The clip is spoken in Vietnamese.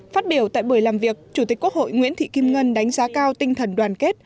phát biểu tại buổi làm việc chủ tịch quốc hội nguyễn thị kim ngân đánh giá cao tinh thần đoàn kết